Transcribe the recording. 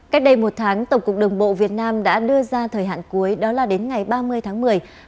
cách đây một tháng tổng cục đường bộ việt nam đã đưa ra thời hạn cuối đó là đến ngày ba mươi tháng một mươi